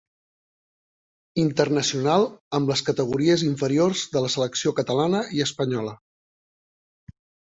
Internacional amb les categories inferiors de la selecció catalana i espanyola.